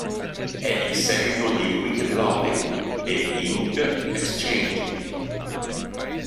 È il seguito di "Wicked Lovely" e "Ink Exchange".